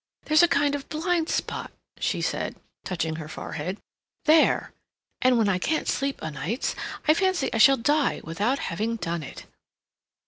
There's a kind of blind spot," she said, touching her forehead, "there. And when I can't sleep o' nights, I fancy I shall die without having done it."